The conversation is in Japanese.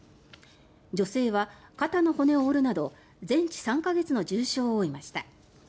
女性は肩の骨を折るなど全治３か月の重傷を負いました。